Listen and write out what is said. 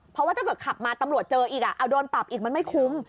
เพราะว่าถ้าเกิดขับมาตำรวจเจออีกเอาโดนปรับอีกมันไม่คุ้ม